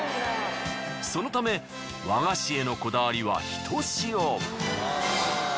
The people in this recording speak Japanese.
そのため和菓子へのこだわりはひとしお。